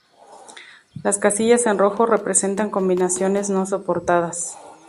Las casillas en rojo representan combinaciones no soportadas.